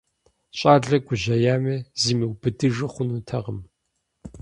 ЩӀалэр гужьеями, зимыубыдыжу хъунутэкъым.